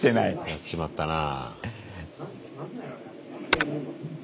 やっちまったな。